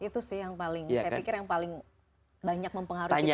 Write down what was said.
itu sih yang paling saya pikir yang paling banyak mempengaruhi kita